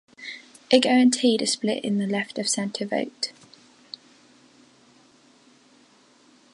It guaranteed a split in the left-of-centre vote.